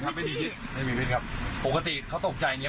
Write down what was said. มีเวลครับได้อย่างงี้ไม่มีโทษครับปกติเค้าตกใจครับ